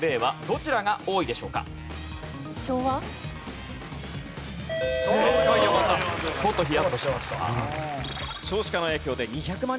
ちょっとヒヤッとしました。